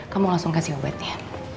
kamu langsung kasih obatnya